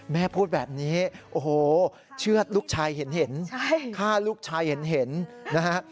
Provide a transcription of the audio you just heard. แม่พูดแบบนี้โอ้โหเชื่อดลูกชายเห็นฆ่าลูกชายเห็นนะฮะ